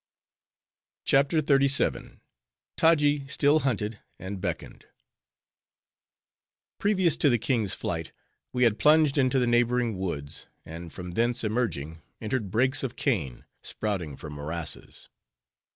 CHAPTER XXXVII. Taji Still Hunted, And Beckoned Previous to the kings' flight, we had plunged into the neighboring woods; and from thence emerging, entered brakes of cane, sprouting from morasses.